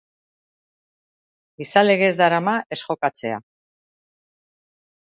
Gizalegez darama ez jokatzea.